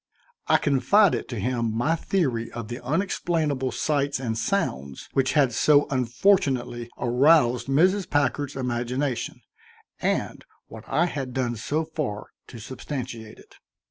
I confided to him my theory of the unexplainable sights and sounds which had so unfortunately aroused Mrs. Packard's imagination, and what I had done so far to substantiate it.